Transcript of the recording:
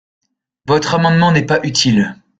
Votre amendement n’est pas utile.